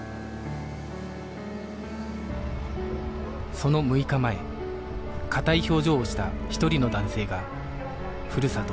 その６日前硬い表情をした一人の男性がふるさと